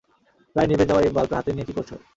প্রায় নিভে যাওয়া এই বাল্বটা হাতে নিয়ে কী করছ?